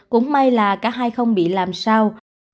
cũng may là cả hai không bị làm sao